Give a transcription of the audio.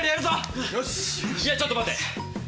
いやちょっと待て。